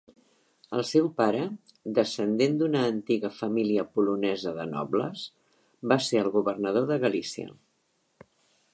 El seu pare, descendent d'una antiga família polonesa de nobles, va ser el governador de Galícia.